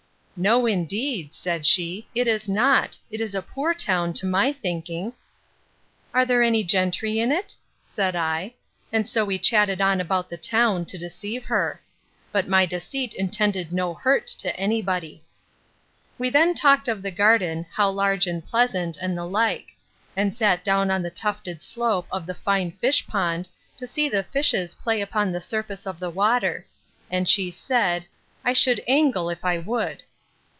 No, indeed, said she, it is not; it is a poor town, to my thinking. Are there any gentry in it? said I. And so we chatted on about the town, to deceive her. But my deceit intended no hurt to any body. We then talked of the garden, how large and pleasant, and the like; and sat down on the tufted slope of the fine fish pond, to see the fishes play upon the surface of the water; and she said, I should angle if I would.